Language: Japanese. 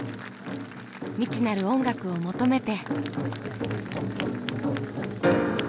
未知なる音楽を求めて。